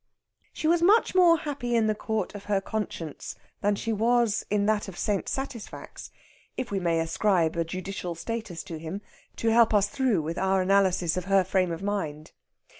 She was much more happy in the court of her conscience than she was in that of St. Satisfax if we may ascribe a judicial status to him, to help us through with our analysis of her frame of mind.